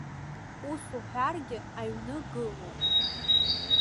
Ус уҳәаргьы, аҩны гылоуп.